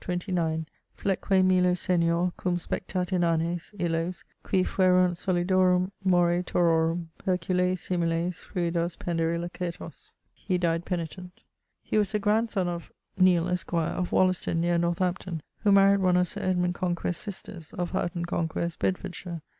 , Fletque Milo senior cum spectat inanes Illos, qui fuerant solidorum more tororum Herculeis similes, fluidos pendere lacertos. He died poenitent. He was the grandsonne of ... Neale, esq., of Wollaston near Northampton, who maried one of Sir Edmund Conquest's sisters, of Houghton Conquest, Bedfordshire.